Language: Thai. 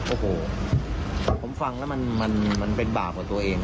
โอ้โหผมฟังแล้วมันเป็นบาปกว่าตัวเอง